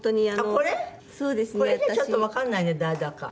これじゃちょっとわかんないね誰だか。